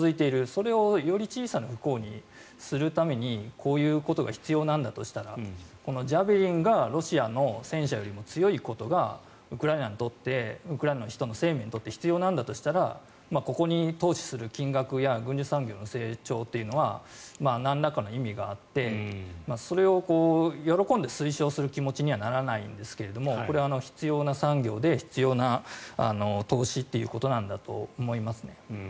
それをより小さな不幸にするためにこういうことが必要なんだとしたらこのジャベリンがロシアの戦車よりも強いことがウクライナにとってウクライナの人の生命にとって必要なんだとしたらここに投資する金額や軍需産業の成長というのはなんらかの意味があってそれを喜んで推奨する気持ちにはならないんですけどこれは必要な産業で必要な投資ということなんだと思います。